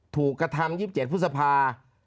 ถูกกระธาน๒๗พฤษภา๒๘๑๙๕๕